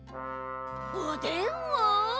おでんを。